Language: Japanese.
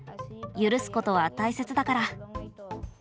許すことは大切だから。